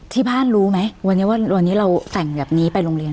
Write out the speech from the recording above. ที่บ้านรู้ไหมวันนี้ว่าวันนี้เราแต่งแบบนี้ไปโรงเรียน